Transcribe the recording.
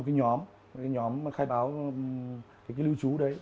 thì anh em có một nhóm khai báo lưu trú đấy